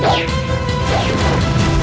belum ada tuhan